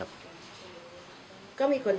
แล้วบอกว่าไม่รู้นะ